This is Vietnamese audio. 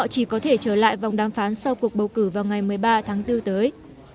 chỉ có thể trở lại vòng đàm phán sau cuộc bầu cử vào ngày một mươi ba tháng bốn tới